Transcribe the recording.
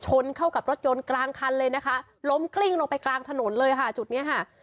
ชนเข้ากับรถยนต์กลางคันเลยนะคะล้มกลิ้งลงไปกลางถนนเลยค่ะจุดเนี้ยค่ะ